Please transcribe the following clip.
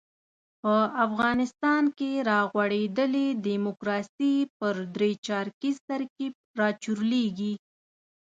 په افغانستان کې را غوړېدلې ډیموکراسي پر درې چارکیز ترکیب راچورلېږي.